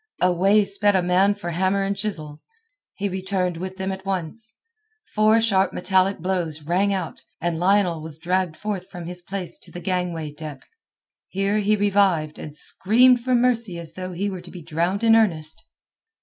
Away sped a man for hammer and chisel. He returned with them at once. Four sharp metallic blows rang out, and Lionel was dragged forth from his place to the gangway deck. Here he revived, and screamed for mercy as though he were to be drowned in earnest.